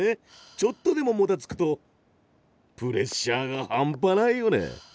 ちょっとでももたつくとプレッシャーが半端ないよね。